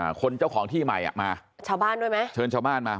คนเจ้าของที่ใหม่อ่ะมาชาวบ้านด้วยไหมเชิญชาวบ้านมา